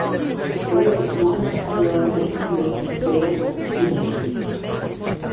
Jails can also have their own, independent, jailed superusers.